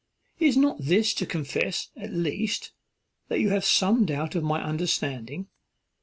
Is not this to confess, at least, that you have some doubt of my understanding?